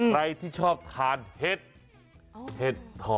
ใครที่ชอบทานเห็ดเห็ดถ่อ